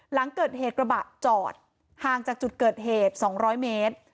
หลังเกิดเหตุกระบะจอดห่างจากจุดเกิดเหตุ๒๐๐เมตร